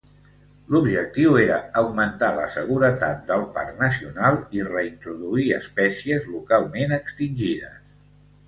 L'objectiu era augmentar la seguretat del parc nacional i reintroduir espècies localment extingides.